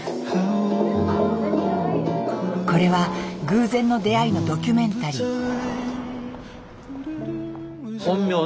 これは偶然の出会いのドキュメンタリー。